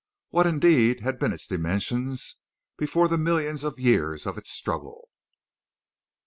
What indeed had been its dimensions before the millions of years of its struggle?